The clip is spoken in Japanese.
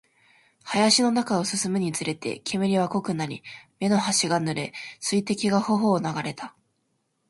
林の中を進むにつれて、煙は濃くなり、目の端が濡れ、水滴が頬を流れた